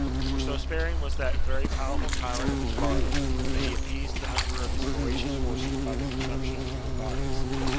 For so sparing was that very powerful tyrant of his barley, that he appeased the hunger of his voracious horses by the consumption of human bodies.